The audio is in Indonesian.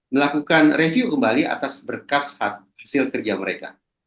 melakukan review kembali atas berkas hasil kerja mereka